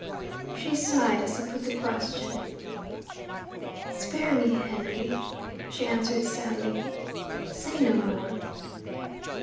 She sighed as he put the question. 'Spare me, Henry,' she answered sadly. 'Say no more!'